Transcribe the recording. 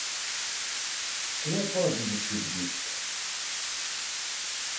¿Que me pode dicir disto?